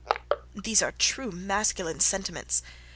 These are true masculine sentiments.